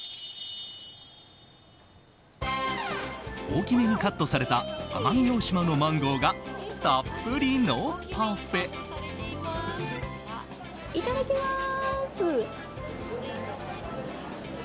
大きめにカットされた奄美大島のマンゴーがいただきます。